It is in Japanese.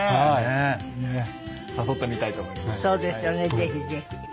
ぜひぜひ。